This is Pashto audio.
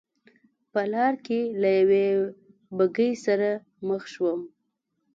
په لار کې له یوې بګۍ سره مخ شوم.